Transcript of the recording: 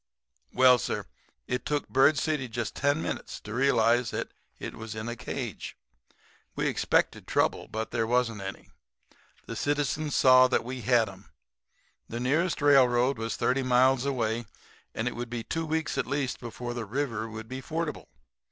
"Well, sir, it took Bird City just ten minutes to realize that it was in a cage. We expected trouble; but there wasn't any. The citizens saw that we had 'em. The nearest railroad was thirty miles away; and it would be two weeks at least before the river would be fordable.